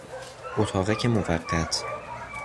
اتاقک موقت